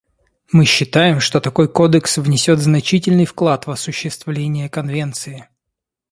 Мы считаем, что такой кодекс внесет значительный вклад в осуществление Конвенции.